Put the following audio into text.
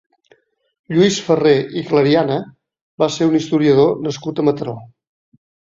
Lluís Ferrer i Clariana va ser un historiador nascut a Mataró.